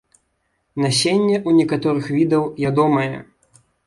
Насенне ў некаторых відаў ядомае.